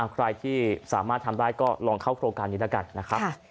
ใครที่สามารถทำได้ก็ลองเข้าโครงการนี้แล้วกันนะครับ